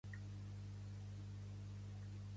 I què li demana que li absolgui?